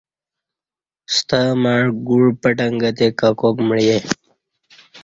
ستہ مع گوع پٹنگہ تے ککاک معیے